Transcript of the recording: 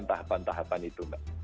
pantah pantah apaan itu mbak